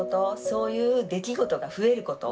そういう出来事が増えること。